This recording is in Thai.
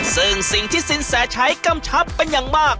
ซึ่งสิ่งที่สินแสใช้กำชับเป็นอย่างมาก